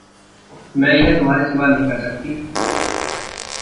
मैं यह तुम्हारे सिवा नहीं कर सकती।